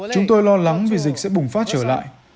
chúng tôi lo lắng vì dịch sẽ bùng phát trở lại